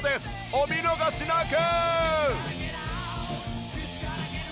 お見逃しなく！